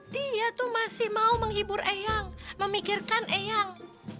dia tuh masih mau menghibur eyang memikirkan eyang